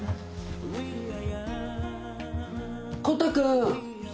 コタくん。